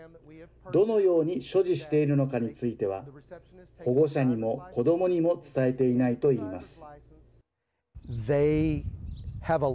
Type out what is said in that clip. どのように所持しているのかについては保護者にも子どもにも伝えていないといいます。